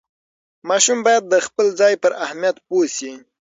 ماشوم باید د خپل ځای پر اهمیت پوه شي.